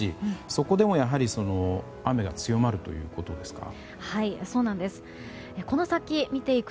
そこでも、やはり雨が強まるということですか。